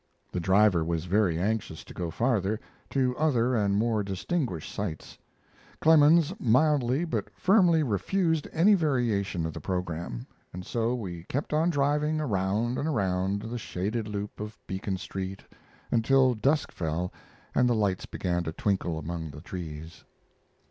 The driver was very anxious to go farther, to other and more distinguished sights. Clemens mildly but firmly refused any variation of the program, and so we kept on driving around and around the shaded loop of Beacon Street until dusk fell and the lights began to twinkle among the trees.